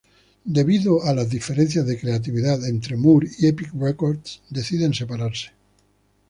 Debido a las diferencias de creatividad entre Moore y Epic Records, deciden separarse.